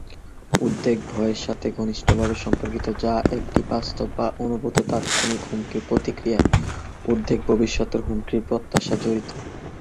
উদ্বেগ ভয়ের সাথে ঘনিষ্ঠভাবে সম্পর্কিত, যা একটি বাস্তব বা অনুভূত তাৎক্ষণিক হুমকির প্রতিক্রিয়া; উদ্বেগ ভবিষ্যতের হুমকির প্রত্যাশাজড়িত।